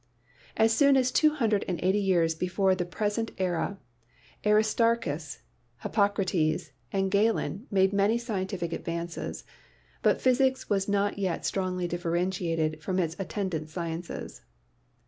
As early as two hundred and eighty years before the pres ent era Aristarchus, Hippocrates and Galen made many scientific advances, but Physics was not yet strongly dif ferentiated from its attendant sciences.